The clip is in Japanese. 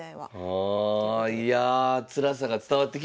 ああいやつらさが伝わってきました。